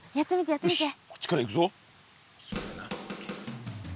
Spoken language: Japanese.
よしこっちからいくぞ。